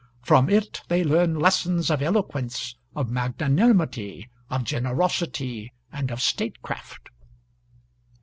From it they learn lessons of eloquence, of magnanimity, of generosity, and of statecraft."